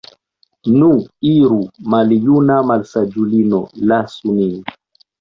Nu, iru, maljuna malsaĝulino, lasu nin!